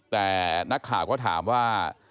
แต่นักข่าวก็ถามว่า